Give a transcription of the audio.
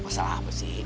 masalah apa sih